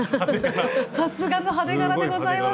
さすがの派手柄でございます。